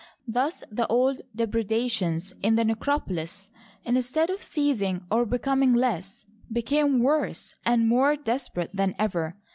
Thus the old depredations in the necropolis, instead of ceasing or becoming less, be came worse and more desperate than ever.